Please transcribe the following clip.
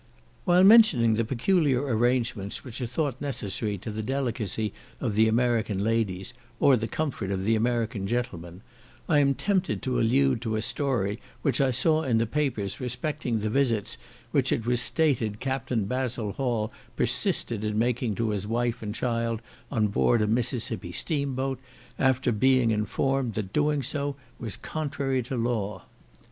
While mentioning the peculiar arrangements which are thought necessary to the delicacy of the American ladies, or the comfort of the American gentlemen, I am tempted to allude to a story which I saw in the papers respecting the visits which it was stated Captain Basil Hall persisted in making to his wife and child on board a Mississippi steam boat, after bring informed that doing so was contrary to law.